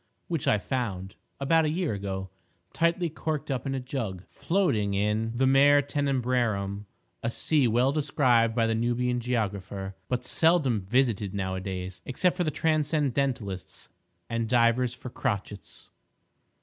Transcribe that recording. which I found, about a year ago, tightly corked up in a jug floating in the Mare Tenebrarum—a sea well described by the Nubian geographer, but seldom visited now a days, except for the transcendentalists and divers for crotchets.